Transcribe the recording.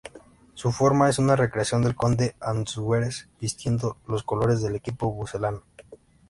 Su forma es una recreación del Conde Ansúrez vistiendo los colores del equipo pucelano.